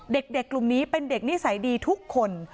เด็กกลุ่มนี้เป็นเด็กนิสัยดีทุกคน